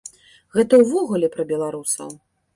Гэта ўвогуле пра беларусаў.